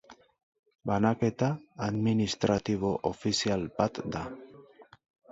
Banaketa administratibo ofizial bat da.